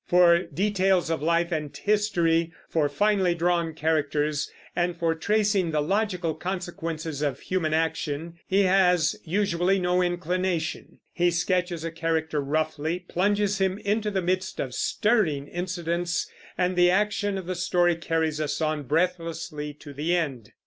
For details of life and history, for finely drawn characters, and for tracing the logical consequences of human action, he has usually no inclination. He sketches a character roughly, plunges him into the midst of stirring incidents, and the action of the story carries us on breathlessly to the end.